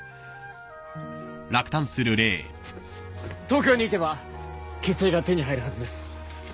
東京に行けば血清が手に入るはずです。